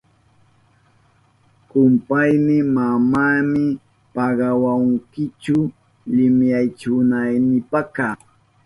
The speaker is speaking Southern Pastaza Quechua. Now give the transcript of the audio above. Kumpayni, manami pagawahunkichu liwiyachinaynipaka.